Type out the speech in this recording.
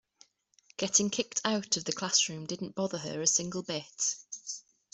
Getting kicked out of the classroom didn't bother her a single bit.